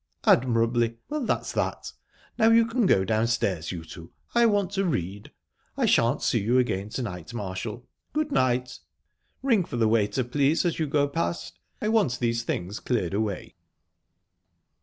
"Admirably. Well, that's that. Now you can go downstairs, you two. I want to read. I shan't see you again to night, Marshall...Good night!...Ring for the waiter, please, as you go past. I want these things cleared away."